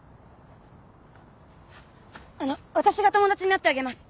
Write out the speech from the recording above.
あの私が友達になってあげます！